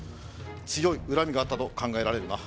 強い恨みがあったと考えられるな。